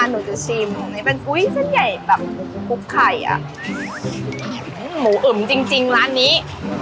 หนูจะชิมตรงนี้เป็นอุ้ยเส้นใหญ่แบบคลุกไข่อ่ะหมูอึมจริงจริงร้านนี้